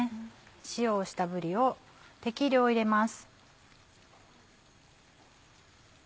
塩をしたぶりを適量入れます。